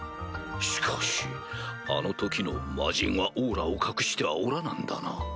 しかしあの時の魔人は妖気を隠してはおらなんだな。